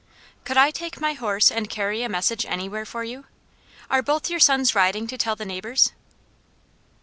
"Could I take my horse and carry a message anywhere for you? Are both your sons riding to tell the neighbours?"